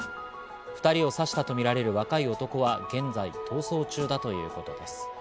２人を刺したとみられる若い男は現在逃走中だということです。